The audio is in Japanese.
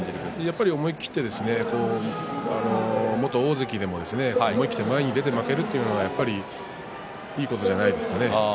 やっぱり思い切って元大関でも思い切って、前に出て負けるというのはいいことじゃないですかね。